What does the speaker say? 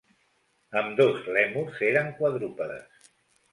Ambdós lèmurs eren quadrúpedes.